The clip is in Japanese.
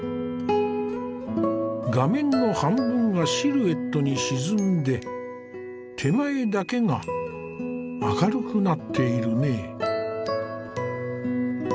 画面の半分がシルエットに沈んで手前だけが明るくなっているね。